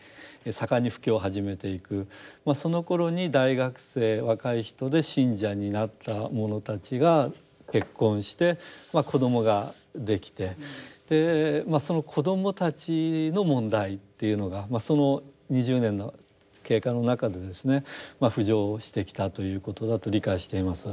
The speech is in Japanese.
そのころに大学生若い人で信者になった者たちが結婚して子どもができてその子どもたちの問題というのがその２０年の経過の中でですね浮上してきたということだと理解しています。